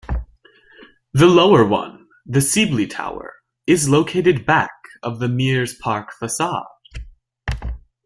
The lower one, the Sibley Tower, is located back of the Mears Park facade.